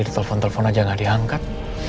di telepon telepon aja gak diangkat